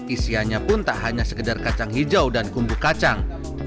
isiannya pun tak hanya sekedar kacang hijau dan kumbu kacang